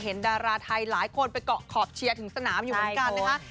ดาราไทยหลายคนไปเกาะขอบเชียร์ถึงสนามอยู่เหมือนกันนะคะ